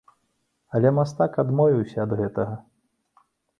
Але мастак адмовіўся ад гэтага.